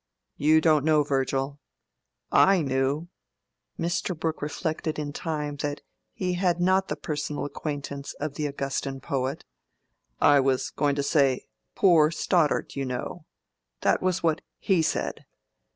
You don't know Virgil. I knew"—Mr. Brooke reflected in time that he had not had the personal acquaintance of the Augustan poet—"I was going to say, poor Stoddart, you know. That was what he said.